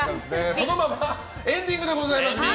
そのままエンディングでございます。